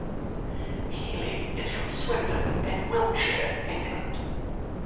Healey is from Swindon in Wiltshire, England.